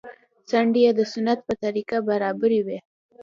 څنډې يې د سنت په طريقه برابرې وې.